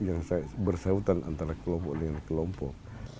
yang bersahutan antara kelompok dengan kelompok